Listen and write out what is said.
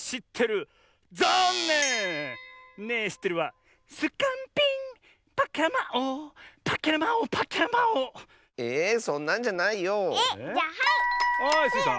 はいスイさん。